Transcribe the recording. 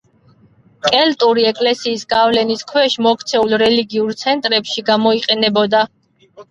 კელტური ეკლესიის გავლენის ქვეშ მოქცეულ რელიგიურ ცენტრებში გამოიყენებოდა.